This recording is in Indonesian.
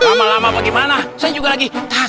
lama lama bagaimana saya juga lagi